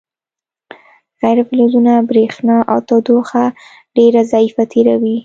غیر فلزونه برېښنا او تودوخه ډیره ضعیفه تیروي.